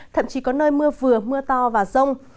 thậm chí có nơi mưa vừa mưa to và rông